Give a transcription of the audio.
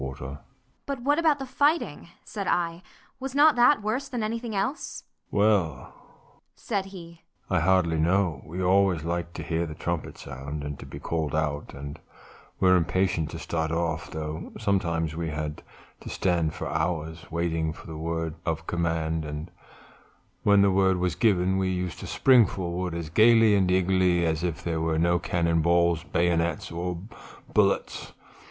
"But what about the fighting?" said I, "was not that worse than anything else?" "Well," said he, "I hardly know; we always liked to hear the trumpet sound, and to be called out, and were impatient to start off, though sometimes we had to stand for hours, waiting for the word of command; and when the word was given we used to spring forward as gayly and eagerly as if there were no cannon balls, bayonets, or bullets.